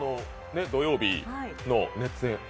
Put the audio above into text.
土曜日の熱演？